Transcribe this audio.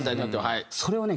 それをね